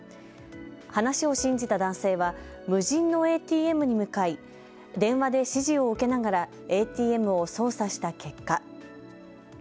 話を信じた男性は無人のＡＴＭに向かい電話で指示を受けながらＡＴＭを操作した結果。